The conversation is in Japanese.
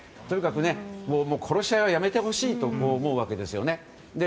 とにかく殺し合いはやめてほしいと思うわけですよね。